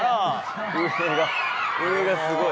上が上がすごい。